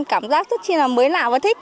cảm giác rất là mới lạ và thích